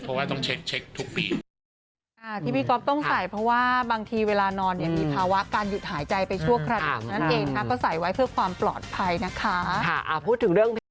เพราะว่าต้องเช็คทุกปี